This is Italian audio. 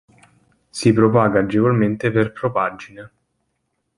Si propaga agevolmente per propaggine.